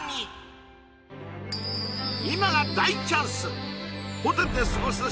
今が大チャンス！